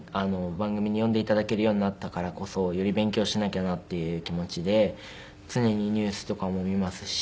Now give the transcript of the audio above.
番組に呼んで頂けるようになったからこそより勉強しなきゃなっていう気持ちで常にニュースとかも見ますし。